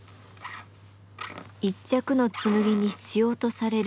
１着の紬に必要とされる